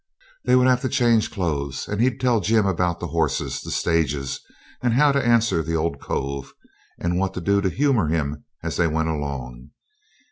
They would have to change clothes, and he'd tell Jim about the horses, the stages, and how to answer the old cove, and what to do to humour him as they went along.